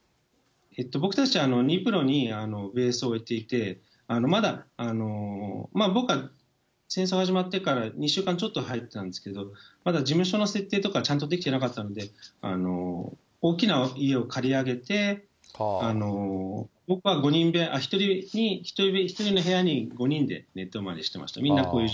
僕たちはニプロにベースを置いていて、まだ、僕は、戦争始まってから２週間ちょっと入ってたんですけれども、まだ事務所の設定とか、ちゃんとできてなかったので、大きな家を借り上げて、僕は１人の部屋に５人で寝泊まりしてました。